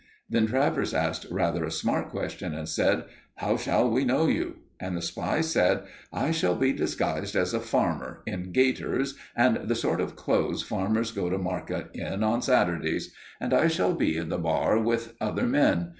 Then Travers asked rather a smart question and said "How shall we know you?" And the spy said: "I shall be disguised as a farmer, in gaiters and the sort of clothes farmers go to market in on Saturdays; and I shall be in the bar with other men.